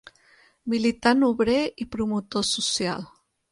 Militant obrer i promotor social.